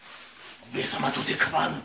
上様とてかまわぬ！